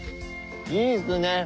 いいっすね。